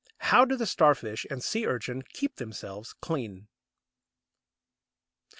How do the Starfish and Sea urchin keep themselves clean?